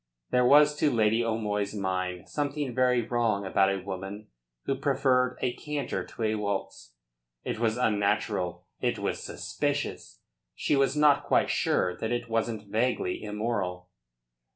There was to Lady O'Moy's mind something very wrong about a woman who preferred a canter to a waltz. It was unnatural; it was suspicious; she was not quite sure that it wasn't vaguely immoral.